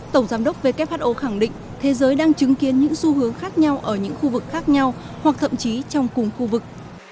tổng giám đốc who khẳng định thế giới đang chứng kiến những xu hướng khác nhau ở những khu vực khác nhau hoặc thậm chí trong cùng khu vực